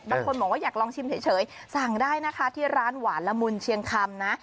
บางคนบอกว่าอยากลองชิมเฉยสั่งได้นะคะที่ร้านหวานละมุนเชียงคำนะ